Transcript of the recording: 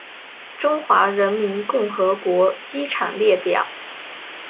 中华人民共和国机场列表